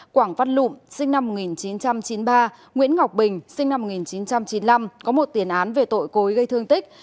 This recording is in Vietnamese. quảng văn lụm sinh năm một nghìn chín trăm chín mươi ba nguyễn ngọc bình sinh năm một nghìn chín trăm chín mươi năm có một tiền án về tội cối gây thương tích